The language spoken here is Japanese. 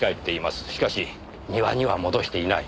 しかし庭には戻していない。